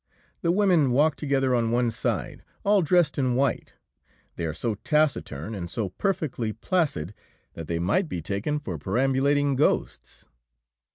The women walk together on one side, all dressed in white; they are so taciturn, and so perfectly placid, that they might be taken for perambulating ghosts.